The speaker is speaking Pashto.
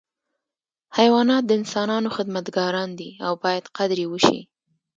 حیوانات د انسانانو خدمتګاران دي او باید قدر یې وشي.